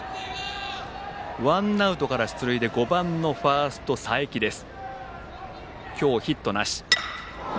ワンアウトから出塁で５番のファースト佐伯です。